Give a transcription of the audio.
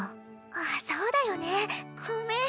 あっそうだよねごめん。